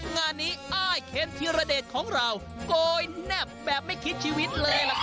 งานนี้อ้ายเคนธีรเดชของเราโกยแนบแบบไม่คิดชีวิตเลยล่ะครับ